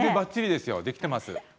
できています。